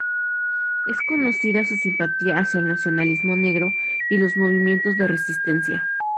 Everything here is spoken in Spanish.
Es conocida su simpatía hacia el nacionalismo negro y los movimientos de resistencia.